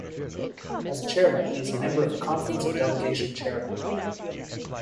As a chairman, he is a member of the Conference of Delegation Chairmen.